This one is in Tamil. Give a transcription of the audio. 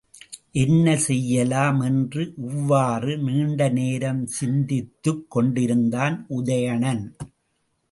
என்ன செய்யலாம்? என்று இவ்வாறு நீண்ட நேரம் சிந்தித்துக் கொண்டிருந்தான் உதயணன்.